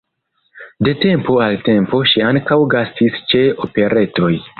De tempo al tempo ŝi ankaŭ gastis ĉe operetoj.